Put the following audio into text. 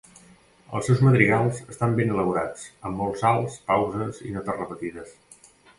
Els seus madrigals estan ben elaborats, amb molts salts, pauses i notes repetides.